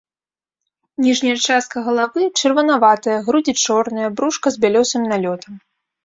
Ніжняя частка галавы чырванаватая, грудзі чорныя, брушка з бялёсым налётам.